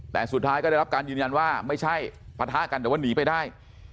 แต่สุดท้ายก็ได้รับการยืนยันว่าไม่ใช่ปะทะกันแต่ว่าหนีไปได้